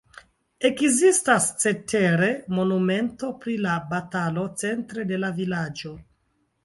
Ekzistas cetere monumento pri la batalo centre de la vilaĝo.